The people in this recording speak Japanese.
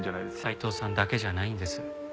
斉藤さんだけじゃないんです。